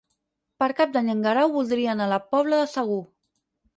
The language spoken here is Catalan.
Per Cap d'Any en Guerau voldria anar a la Pobla de Segur.